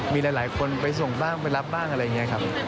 มีหลายคนไปส่งบ้างไปรับบ้างอะไรอย่างนี้ครับ